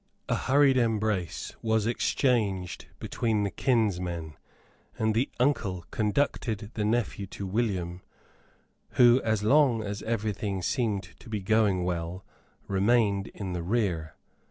A hurried embrace was exchanged between the kinsmen; and the uncle conducted the nephew to William, who, as long as every thing seemed to be going well, remained in the rear.